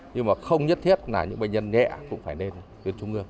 nhưng mà không nhất thiết là những bệnh nhân nhẹ cũng phải lên tuyến trung ương